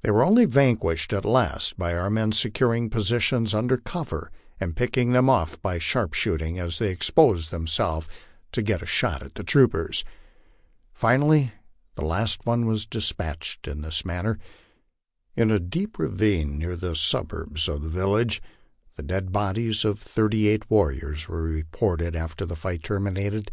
They were only vanquished at last by our men securing positions under cover and picking them off by sharpshooting as they exposed themselves to get a shot at the troopers. Finally the last one was despatched in this manner. In a deep ravine near the suburbs of the village the dead bodies of thirty eight warriors were reported after the fight terminated.